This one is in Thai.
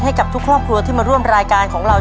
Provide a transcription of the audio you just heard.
ให้กับทุกครอบครัวที่มาร่วมรายการของเรา